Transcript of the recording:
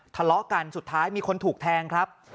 ทะเลาะกันสุดท้ายมีคนถูกแทงครับ